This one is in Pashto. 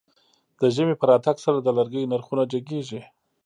د ژمی په راتګ سره د لرګيو نرخونه جګېږي.